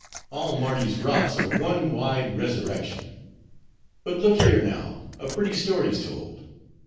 All Mardi's rocks are one wide resurrection. But look. Here, now, a pretty story's told.